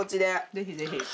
ぜひぜひ。